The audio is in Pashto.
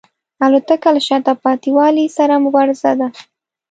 الوتکه له شاته پاتې والي سره مبارزه ده.